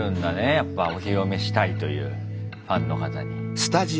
やっぱお披露目したいというファンの方に。